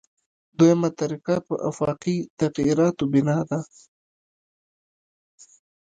دویمه طریقه په آفاقي تغییراتو بنا ده.